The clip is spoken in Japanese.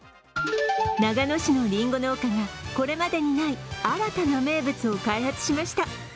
長野市のりんご農家がこれまでにない新たな名物を開発しました。